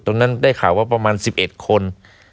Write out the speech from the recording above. ตรงนั้นได้ข่าวว่าประมาณ๑๑คน